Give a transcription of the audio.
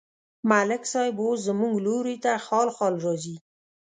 ملک صاحب اوس زموږ لوري ته خال خال راځي.